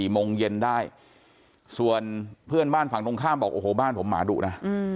โมงเย็นได้ส่วนเพื่อนบ้านฝั่งตรงข้ามบอกโอ้โหบ้านผมหมาดุนะ